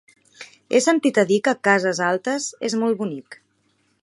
He sentit a dir que Cases Altes és molt bonic.